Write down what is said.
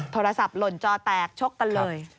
โทรศัพท์หล่นจอแตกชกกันเลย